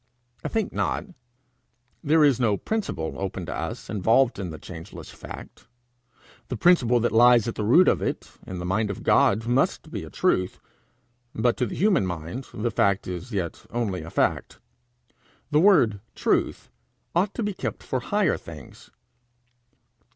I think not. There is no principle, open to us, involved in the changeless fact. The principle that lies at the root of it in the mind of God must be a truth, but to the human mind the fact is as yet only a fact. The word truth ought to be kept for higher things.